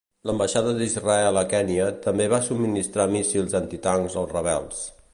L'ambaixada d'Israel a Kènia també va subministrar míssils antitancs als rebels.